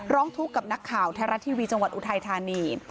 ร้องทุกข์กับนักข่าวไทยรัฐทีวีจังหวัดอุทัยธานี